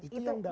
itu tidak boleh